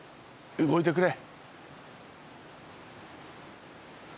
動いてくれ。